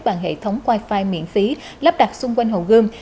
bằng hệ thống wi fi miễn phí lắp đặt xung quanh hồ gươm